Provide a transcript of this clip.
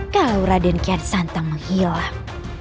kalau raikian santu menghilang